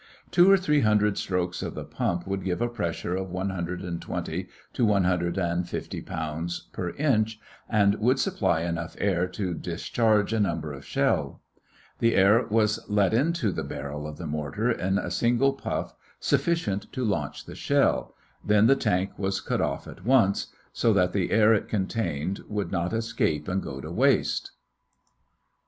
Two or three hundred strokes of the pump would give a pressure of one hundred and twenty to one hundred and fifty pounds per inch, and would supply enough air to discharge a number of shell. The air was let into the barrel of the mortar in a single puff sufficient to launch the shell; then the tank was cut off at once, so that the air it contained would not escape and go to waste.